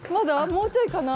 もうちょいかな？